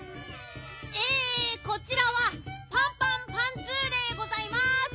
えこちらはパンパンパンツーでございます！